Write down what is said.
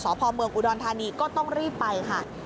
สพอุดรธานีก็ต้องรีบไปค่ะ